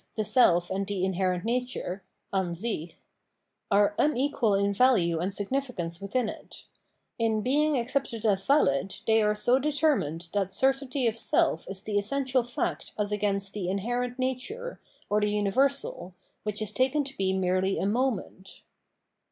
the seh and the inherent nature {Ansich )— are unequal in value and significance within it ; in being accepted as valid, they are so determined that certainty of self is the essential fact as against the inherent nature, or the universal, which is taken to be merely a moment.